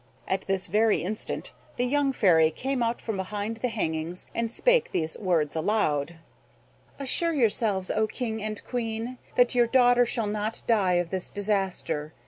At this very instant the young Fairy came out from behind the hangings, and spake these words aloud: "Assure yourselves, O King and Queen, that your daughter shall not die of this disaster.